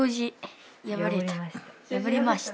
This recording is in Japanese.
破りました。